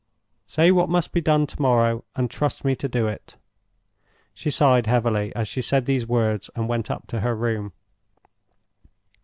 Say what must be done to morrow, and trust me to do it." She sighed heavily as she said those words, and went up to her room.